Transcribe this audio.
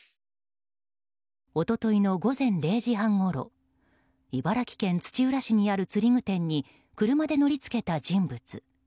一昨日午前０時半ごろ茨城県土浦市にある釣具店に車で乗り付けた人物。